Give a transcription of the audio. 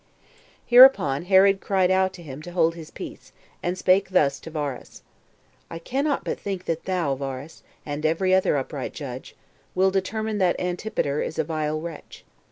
2. Hereupon Herod cried out to him to hold his peace, and spake thus to Varus: "I cannot but think that thou, Varus, and every other upright judge, will determine that Antipater is a vile wretch.